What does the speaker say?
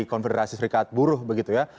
konfederasi serikat buruh begitu ya